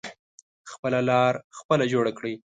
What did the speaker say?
خپله لاره خپله جوړه کړی.